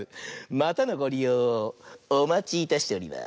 またのごりようをおまちいたしております。